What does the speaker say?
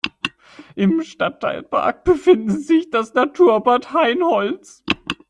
Im Stadtteilpark befindet sich das Naturbad Hainholz.